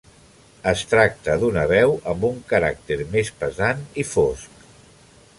Es tracta d'una veu amb un caràcter més pesant i fosc.